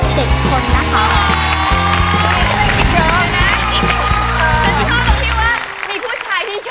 สำคัญ